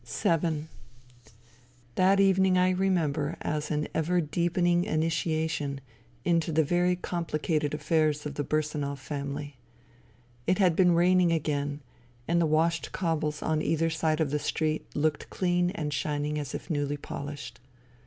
VII That evening I remember as an ever deepening initiation into the very complicated affairs of the Bursanov family. It had been raining again, and the washed cobbles on either side of the street looked clean and shining as if newly polished.